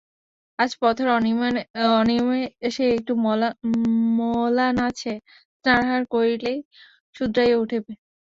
আজ পথের অনিয়মে সে একটু মলান আছে, স্নানাহার করিলেই শুধরাইয়া উঠিবে।